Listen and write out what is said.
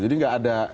jadi gak ada